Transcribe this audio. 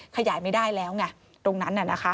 ขยายไม่ได้แล้วไงตรงนั้นน่ะนะคะ